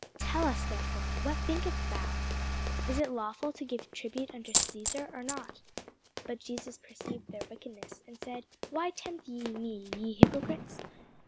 Tell us therefore, What thinkest thou? Is it lawful to give tribute unto Cæsar, or not? But Jesus perceived their wickedness, and said, Why tempt ye me, ye hypocrites?